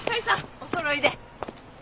おそろいで。